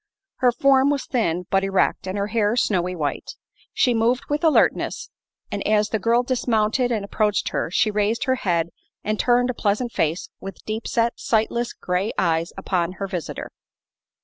Her form was thin but erect and her hair snowy white. She moved with alertness, and as the girl dismounted and approached her she raised her head and turned a pleasant face with deep set, sightless gray eyes upon her visitor.